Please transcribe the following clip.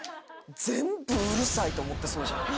全部うるさいと思ってそうじゃない？